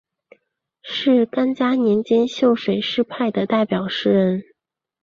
是干嘉年间秀水诗派的代表诗人。